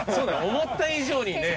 思った以上に。